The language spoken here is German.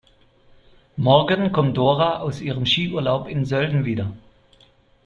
Morgen kommt Dora aus ihrem Skiurlaub in Sölden wieder.